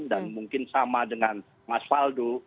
dan mungkin sama dengan mas waldo